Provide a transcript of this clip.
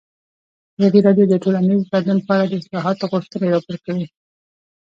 ازادي راډیو د ټولنیز بدلون په اړه د اصلاحاتو غوښتنې راپور کړې.